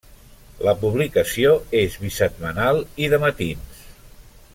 La publicació és bisetmanal i de matins.